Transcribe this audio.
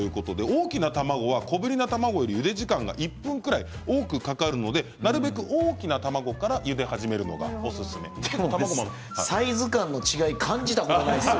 大きな卵は小ぶりな卵よりゆで時間が多くかかるのでなるべく大きな卵からゆで始めるのがおすすめということです。